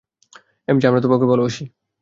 এমজে, আমরা তোমাকে ভালোবাসি!